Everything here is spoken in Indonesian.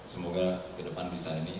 semoga ke depan bisa ini